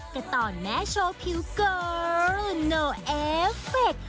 ก็ตอนแม่โชว์ผิวเกอร์โนเอฟเฟค